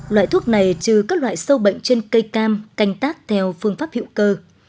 loại thuốc này trừ các loại sâu bệnh trên cây cam canh tác theo phương pháp hữu cơ